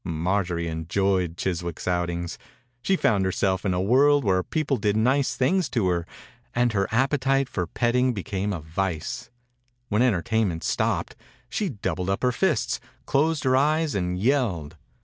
Marjorie enjoyed Chiswick's outings. She found herself in a world where people did nice things to her, and her appetite 85 THE INCUBATOR BABY for petting became a vice. When entertainment stopped she doubled up her fists, closed her eyes and yelled.